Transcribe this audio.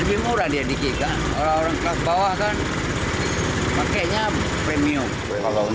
bbm jenis premium di sien juga di sien petang